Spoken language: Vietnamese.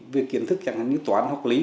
về kiến thức chẳng hạn như toán hoặc lý